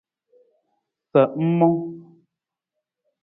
Sa ng mang?